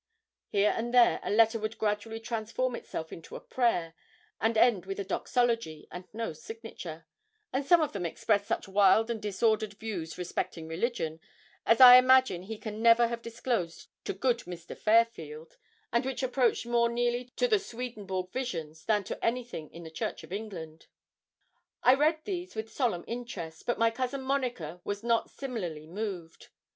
Here and there a letter would gradually transform itself into a prayer, and end with a doxology and no signature; and some of them expressed such wild and disordered views respecting religion, as I imagine he can never have disclosed to good Mr. Fairfield, and which approached more nearly to the Swedenborg visions than to anything in the Church of England. I read these with a solemn interest, but my cousin Monica was not similarly moved.